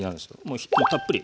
もうたっぷり。